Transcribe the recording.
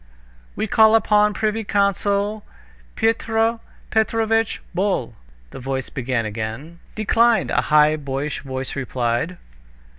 "We call upon the privy councilor Pyotr Petrovitch Bol," the voice began again. "Declined!" a high boyish voice replied.